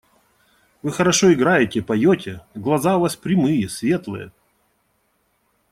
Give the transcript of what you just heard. – Вы хорошо играете, поете, глаза у вас прямые, светлые.